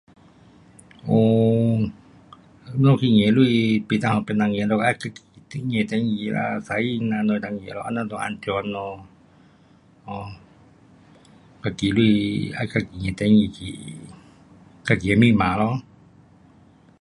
um，我们去提钱不能给别人提咯。要自登记啦 sign 啦才能够提咯，这样才安全咯。um 自己钱要自己的登记去，自己的密码咯。